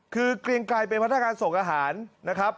คือเกรียงไกรเป็นพนักงานส่งอาหารนะครับ